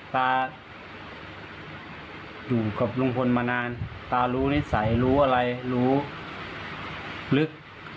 ตาอยู่กับลุงพลมานานตารู้นิสัยรู้อะไรรู้ลึก